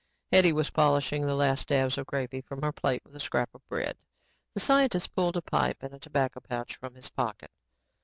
Hetty was polishing the last dabs of gravy from her plate with a scrap of bread. The scientist pulled a pipe and tobacco pouch from his pocket.